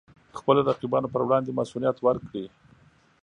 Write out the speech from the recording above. خپلو رقیبانو پر وړاندې مصئونیت ورکړي.